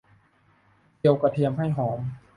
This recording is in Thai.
เจียวกระเทียมให้หอม